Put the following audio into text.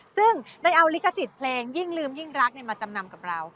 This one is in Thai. ซึ่งได้เอาลิขสิทธิ์เพลงยิ่งลืมยิ่งรักมาจำนำกับเรา